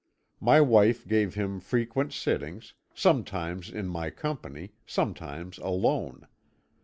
My wife gave him frequent sittings, sometimes in my company, sometimes alone.